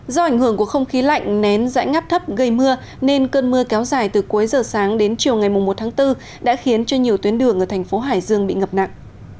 do ảnh hưởng của không khí lạnh nén dãi ngắp thấp gây mưa nên cơn mưa kéo dài từ cuối giờ sáng đến chiều ngày một tháng bốn đã khiến cho nhiều tuyến đường ở thành phố hải dương bị ngập nặng